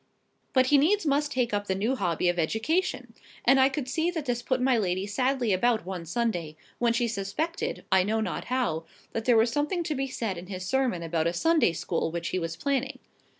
But he needs must take up the new hobby of education; and I could see that this put my lady sadly about one Sunday, when she suspected, I know not how, that there was something to be said in his sermon about a Sunday school which he was planning.